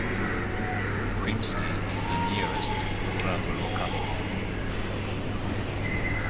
Krymsky is the nearest rural locality.